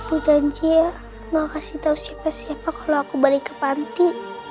aku janji ya mau kasih tahu siapa siapa kalau aku balik ke panti